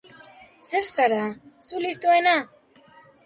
Zer zara, zu listoena?